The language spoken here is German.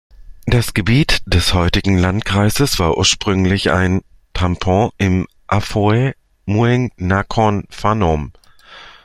Das Gebiet des heutigen Landkreises war ursprünglich ein "Tambon" im Amphoe Mueang Nakhon Phanom.